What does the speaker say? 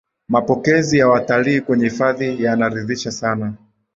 mapokezi ya watalii kwenye hifadhi yanaridhisha sana